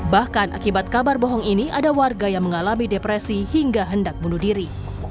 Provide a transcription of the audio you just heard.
bahkan akibat kabar bohong ini ada warga yang mengalami depresi hingga hendak bunuh diri